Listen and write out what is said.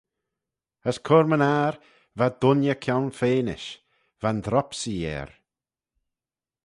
As cur-my-ner, va dooinney kionfenish, va'n dropsee er.